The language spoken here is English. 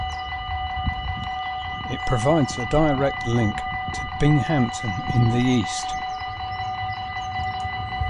It provides a direct link to Binghamton in the east.